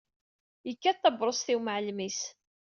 Yekkat tabṛust i umɛellem-is.